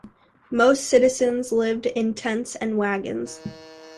Most citizens lived in tents and wagons.